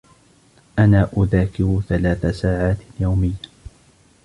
أنا أذاكر ثلاث ساعات يومياً.